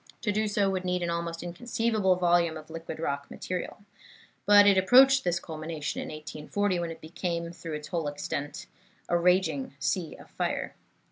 To do so would need an almost inconceivable volume of liquid rock material. But it approached this culmination in 1840, when it became, through its whole extent, a raging sea of fire.